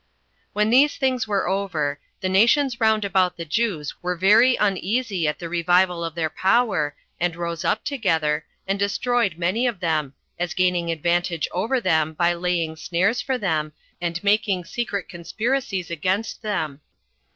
1. When these things were over, the nations round about the Jews were very uneasy at the revival of their power, and rose up together, and destroyed many of them, as gaining advantage over them by laying snares for them, and making secret conspiracies against them.